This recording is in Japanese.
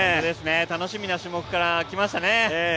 楽しみな種目から来ましたね。